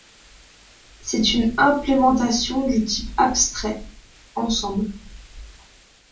C'est une implémentation du type abstrait Ensemble.